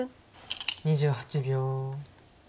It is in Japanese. ２８秒。